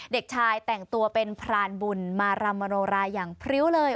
เด็กชายแต่งตัวเป็นพรานบุญมารำมโนราอย่างพริ้วเลย